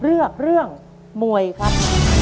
ขอบคุณครับ